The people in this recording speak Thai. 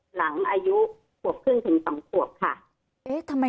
หลังอายุครวบครึ่งถึง๒ครับครับ